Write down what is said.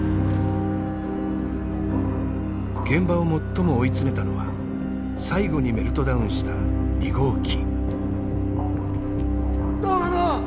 現場を最も追い詰めたのは最後にメルトダウンした２号機。